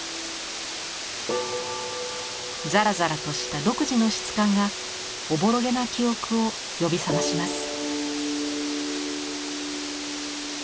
ざらざらとした独自の質感がおぼろげな記憶を呼び覚まします。